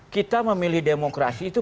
kita memilih demokrasi itu